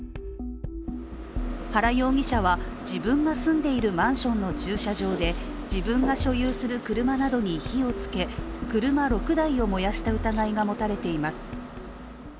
原容疑者は自分が住んでいるマンションの駐車場で自分が所有する車などに火をつけ車６台を燃やした疑いが持たれています。